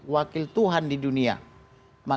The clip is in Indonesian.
seorang yang beriman